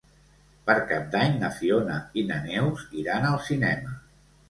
Per Cap d'Any na Fiona i na Neus iran al cinema.